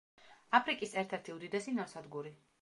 აფრიკის ერთ-ერთი უდიდესი ნავსადგური.